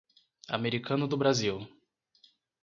Americano do Brasil